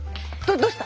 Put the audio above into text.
どうした？